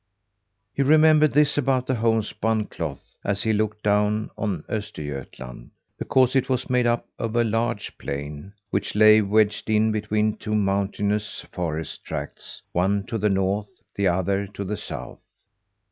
He remembered this about the homespun cloth, as he looked down on Östergötland, because it was made up of a large plain, which lay wedged in between two mountainous forest tracts one to the north, the other to the south.